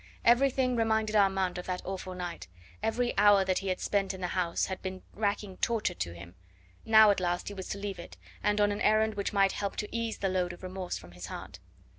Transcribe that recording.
Everything reminded Armand of that awful night, every hour that he had since spent in the house had been racking torture to him. Now at last he was to leave it, and on an errand which might help to ease the load of remorse from his heart.